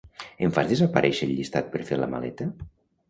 Em fas desaparèixer el llistat per fer la maleta?